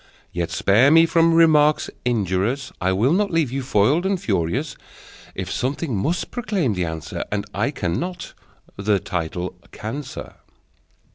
Yet spare me from remarks injurious: I will not leave you foiled and furious. If something must proclaim the answer, And I cannot, the title can, sir!